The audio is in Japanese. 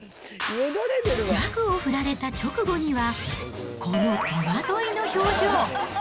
ギャグを振られた直後には、この戸惑いの表情。